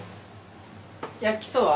焼きそば？